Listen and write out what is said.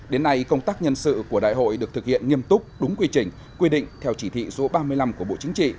đến nay công tác nhân sự của đại hội được thực hiện nghiêm túc đúng quy trình quy định theo chỉ thị số ba mươi năm của bộ chính trị